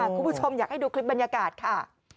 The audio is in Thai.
คุณผู้ชมอยากให้ดูคลิปบรรยากาศค่ะ